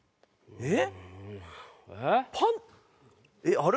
えっ？